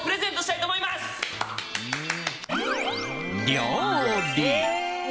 料理！